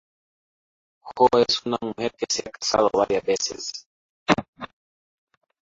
Jo es una mujer que se ha casado varias veces.